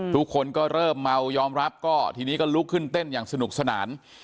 ทุกคนก็เริ่มเมายอมรับก็ทีนี้ก็ลุกขึ้นเต้นอย่างสนุกสนาน